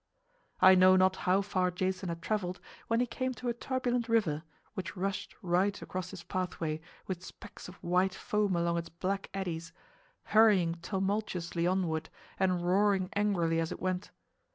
I know not how far Jason had traveled when he came to a turbulent river, which rushed right across his pathway with specks of white foam along its black eddies, hurrying tumultuously onward and roaring angrily as it went.